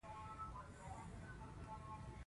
منډه د وجود سره مینه ده